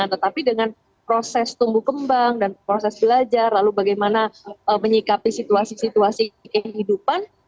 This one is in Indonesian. tetapi dengan proses tumbuh kembang dan proses belajar lalu bagaimana menyikapi situasi situasi kehidupan